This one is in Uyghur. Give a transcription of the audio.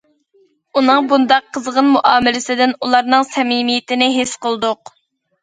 ئۇنىڭ بۇنداق قىزغىن مۇئامىلىسىدىن ئۇلارنىڭ سەمىمىيىتىنى ھېس قىلدۇق.